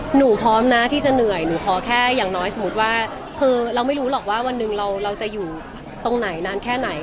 หนูพร้อมนะที่จะเหนื่อยหนูขอแค่อย่างน้อยสมมุติว่าคือเราไม่รู้หรอกว่าวันหนึ่งเราจะอยู่ตรงไหนนานแค่ไหน